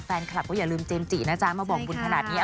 แฟนคลับก็อย่าลืมเจมสจินะจ๊ะมาบอกบุญขนาดนี้